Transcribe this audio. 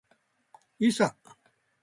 いさ